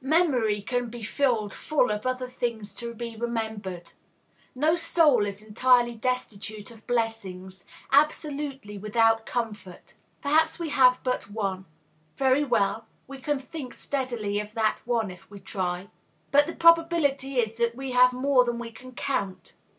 Memory can be filled full of other things to be remembered. No soul is entirely destitute of blessings, absolutely without comfort. Perhaps we have but one. Very well; we can think steadily of that one, if we try. But the probability is that we have more than we can count.